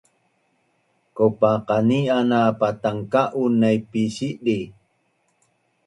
Kopa qani’an na patanka’un naip pi sidi